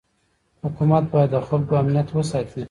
حکومت باید د خلکو امنیت وساتي.